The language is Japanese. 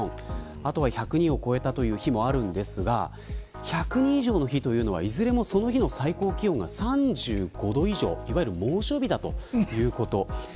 あとは１００人を超えたという日もあるんですが１００人以上の日というのはいずれもその日の最高気温が３５度以上、いわゆる猛暑日ということです。